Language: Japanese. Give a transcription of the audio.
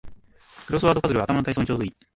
クロスワードパズルは頭の体操にちょうどいい